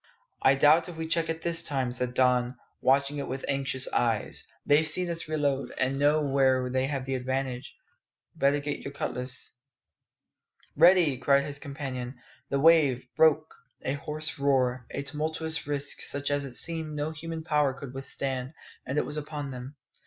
"I doubt if we check it this time," said Don, watching it with anxious eyes; "they've seen us reload, and know where they have the advantage. Better get your cutlass " "Ready!" cried his companion. The wave, broke. A hoarse roar, a tumultuous rusk such as it seemed no human power could withstand, and it was upon them.